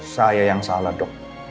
saya yang salah dok